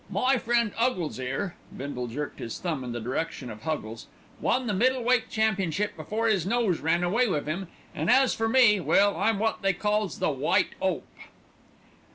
"My friend 'Uggles 'ere" Bindle jerked his thumb in the direction of Huggles "won the middle weight championship before 'is nose ran away with 'im, an' as for me well, I'm wot they calls 'the White 'Ope.'"